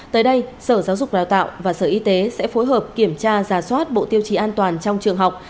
tới đây sở giáo dục đào tạo và sở y tế sẽ phối hợp kiểm tra giả soát bộ tiêu chí an toàn trong trường học